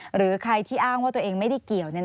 หรือใครที่อ้างว่าตัวเองไม่ได้เกี่ยว